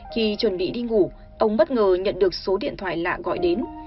khi chuẩn bị đi ngủ ông bất ngờ nhận được số điện thoại lạ gọi đến